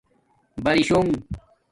برِی شونگ